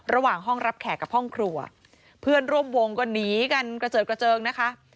ระหว่างห้องรับแขกกับห้องครัวเพื่อนร่วมวงก็หนีกันกระเจิดกระเจิงนะคะ